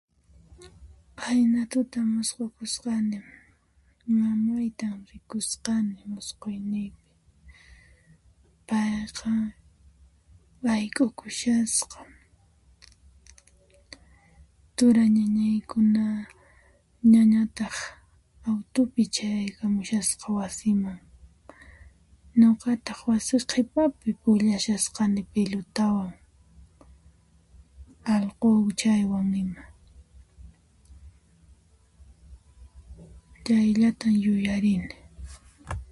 Qayna tuta musqukusqani mamaytan rikusqani musquyniypi, payqa wayk'ukushasqa, turay ñañaykuna autopichayaykamushasqa wasiman, ñuqataq wasi qhipapi pukllashasqani pilutawan, allquchaywan ima, chayllata yuyarini.